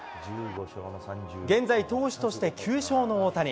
現在、投手として９勝の大谷。